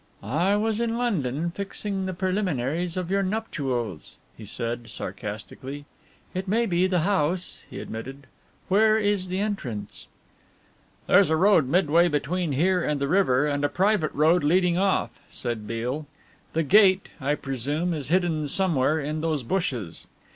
"I was in London fixing the preliminaries of your nuptials," he said sarcastically. "It may be the house," he admitted; "where is the entrance?" "There's a road midway between here and the river and a private road leading off," said Beale; "the gate, I presume, is hidden somewhere in those bushes."